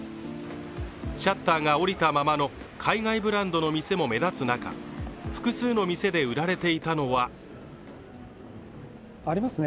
シャッターが下りたままの海外ブランドの店も目立つ中、複数の店で売られていたのはありますね。